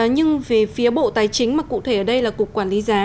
nhưng về phía bộ tài chính mà cụ thể ở đây là cục quản lý giá